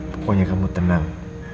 pokoknya kamu tenang